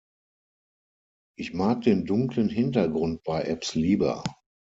Ich mag den dunklen Hintergrund bei Apps lieber.